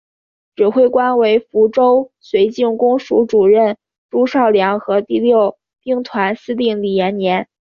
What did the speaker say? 指挥官为福州绥靖公署主任朱绍良和第六兵团司令李延年。